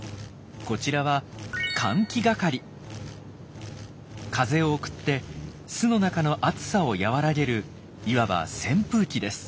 こちらは風を送って巣の中の暑さを和らげるいわば扇風機です。